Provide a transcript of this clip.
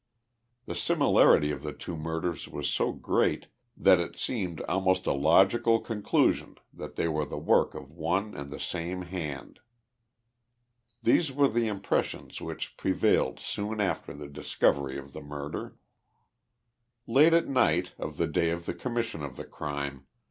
The similarity of the two murders was so great that it seemed almost a logical conclusion that they were the work of one and the same hand." These were the impressions which pre vailed soon after the discovery of the murder. Late at night, of the day of the commission of the crime.